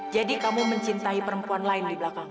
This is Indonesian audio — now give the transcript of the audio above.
jadi kamu mencintai perempuan lain di belakangmu